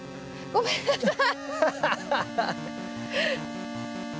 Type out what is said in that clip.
ごめんなさい。